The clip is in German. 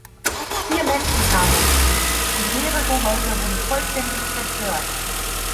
Vier Menschen kamen ums Leben, und mehrere Häuser wurden vollständig zerstört.